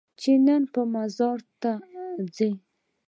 چې نن به مزار ته ځې؟